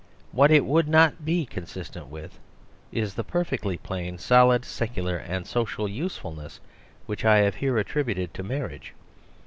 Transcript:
What it would not be consistent with is the perfectly plain, solid, secular and social use fulness which I have here attributed to mar riage.